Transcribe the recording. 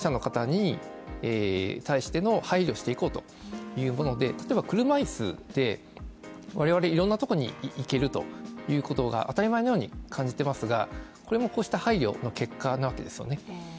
障害者の方に対しての配慮をしていこうというもので、例えば車椅子で我々いろんなところに行けるということが当たり前のように感じてますが、これもこうした配慮の結果なわけですよね